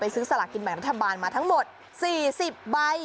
ซื้อสลากินแบ่งรัฐบาลมาทั้งหมด๔๐ใบ